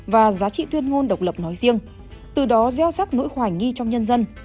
và giá trị tuyên ngôn độc lập nói riêng từ đó gieo rắc nỗi hoài nghi trong nhân dân